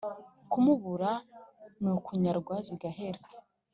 kumubura ni ukunyarwa zigahera